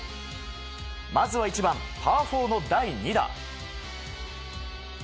まずは１番、パー４の第２打。